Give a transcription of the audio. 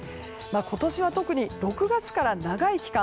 今年は特に６月から長い期間